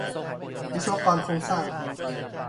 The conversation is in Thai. วิศวกรโครงสร้าง